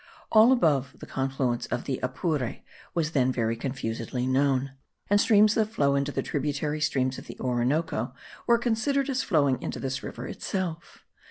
All above the confluence of the Apure was then very confusedly known; and streams that flow into the tributary streams of the Orinoco were considered as flowing into this river itself.